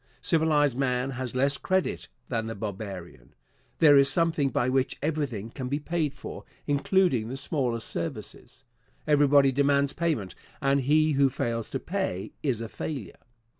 Civilized man has less credit than the barbarian. There is something by which everything can be paid for, including the smallest services. Everybody demands payment, and he who fails to pay is a failure.